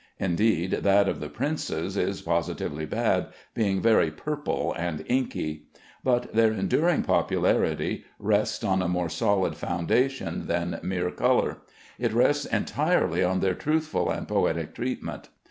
Indeed, that of the "Princes" is positively bad, being very purple and inky; but their enduring popularity rests on a more solid foundation than mere color. It rests entirely on their truthful and poetic treatment.